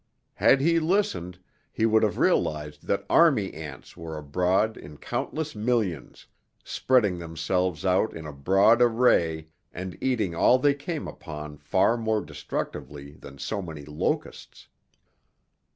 Had he listened, he would have realized that army ants were abroad in countless millions, spreading themselves out in a broad array and eating all they came upon far more destructively than so many locusts.